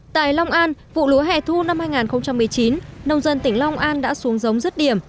tại long an vụ lúa hẻ thu năm hai nghìn một mươi chín nông dân tỉnh long an đã xuống giống rứt điểm